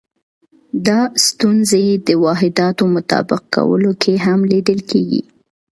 دا ستونزې د واحداتو مطابق کولو کې هم لیدل کېدې.